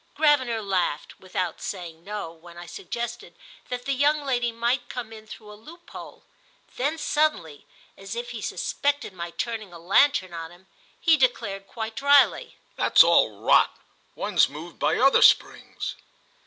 Gravener laughed, without saying no, when I suggested that the young lady might come in through a loophole; then suddenly, as if he suspected my turning a lantern on him, he declared quite dryly: "That's all rot—one's moved by other springs!"